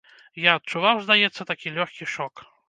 Я адчуваў, здаецца, такі лёгкі шок.